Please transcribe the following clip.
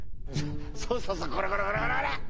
そうそうそうこれこれこれこれこれ！